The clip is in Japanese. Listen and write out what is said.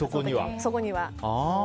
そこには。